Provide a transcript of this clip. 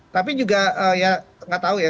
tapi juga ya nggak tahu ya